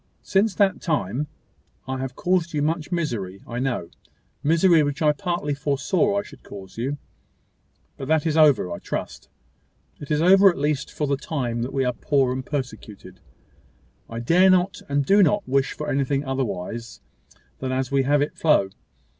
Since that time I have caused you much misery, I know misery which I partly foresaw I should cause you: but that is over, I trust. It is over at least for the time that we are poor and persecuted. I dare not and do not wish for anything otherwise than as we have it flow.